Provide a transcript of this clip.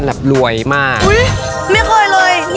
มีความรักของเรา